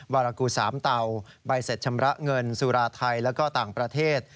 วารกู๓เตาใบเสร็จชำระเงินสุราไทยแล้วก็ต่างประเทศ